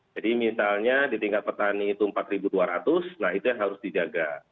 jadi misalnya di tingkat petani itu empat dua ratus nah itu yang harus dijaga